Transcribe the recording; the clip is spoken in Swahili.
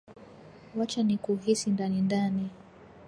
Wacha nikuhisi ndani ndani